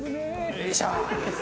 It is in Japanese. よいしょ！